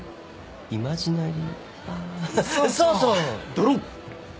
ドロン。